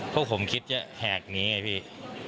พวกผมคิดจะแหกหนีไอ้พี่